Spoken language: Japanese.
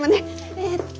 えっと。